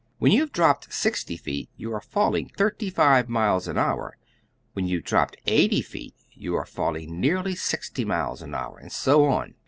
When you have dropped sixty feet you are falling thirty five miles an hour; when you have dropped eighty feet you are falling nearly sixty miles an hour. And so on.